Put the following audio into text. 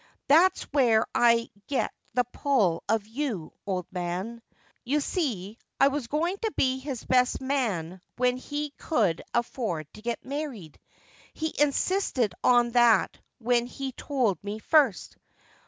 That's where I get the pull of you, old man. You see, I was going to be his best man when he could afford to get married. He insisted on that when he told me first.